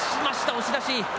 押し出し。